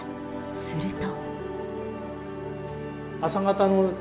すると。